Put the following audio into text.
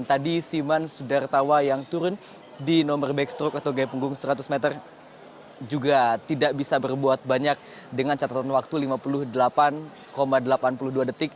dan tadi siman sudartawa yang turun di nomor backstroke atau gaya punggung seratus meter juga tidak bisa berbuat banyak dengan catatan waktu lima puluh delapan delapan puluh dua detik